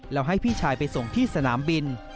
แล้วให้พี่ชายไปส่งที่สนามบิน